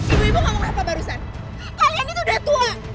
ibu ibu ngomong apa barusan kalian itu udah tua